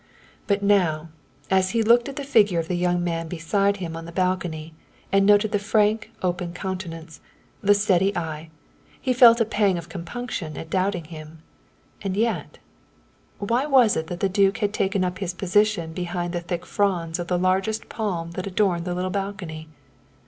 But now, as he looked at the figure of the young man beside him on the balcony and noted the frank open countenance, the steady eye, he felt a pang of compunction at doubting him. And yet why was it that the duke had taken up his position behind the thick fronds of the largest palm that adorned the little balcony?